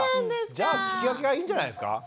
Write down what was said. じゃあ聞き分けがいいんじゃないですか。